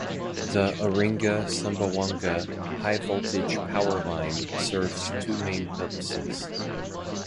The Iringa–Sumbawanga High Voltage Power Line serves two main purposes.